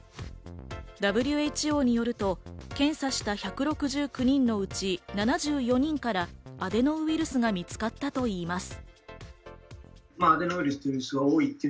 ＷＨＯによると、検査した１６９人のうち、７４人からアデノウイルスが見つかったといいます。